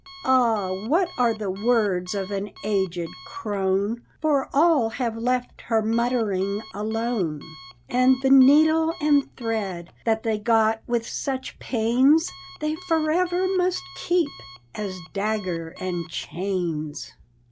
Ah, what are the words of an aged crone? For all have left her muttering alone; And the needle and thread that they got with such pains, They forever must keep as dagger and chains.